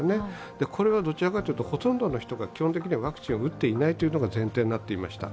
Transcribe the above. これはどちらかというとほとんどの人がワクチンを打っていないというのが前提になっていました。